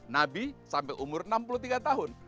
nabi sampai umur enam puluh tiga tahun